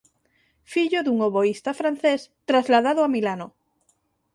Fillo dun oboísta francés trasladado a Milano.